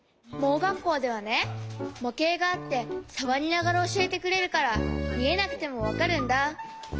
盲学校ではねもけいがあってさわりながらおしえてくれるからみえなくてもわかるんだ。